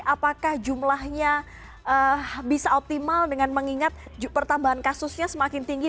apakah jumlahnya bisa optimal dengan mengingat pertambahan kasusnya semakin tinggi